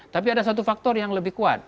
tapi ada satu faktor yang lebih kuat